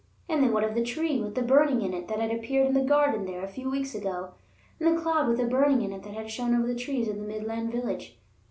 And then what of the tree with the burning in it that had appeared in the garden there a few weeks ago, and the cloud with a burning in it that had shown over the trees of the Midland village?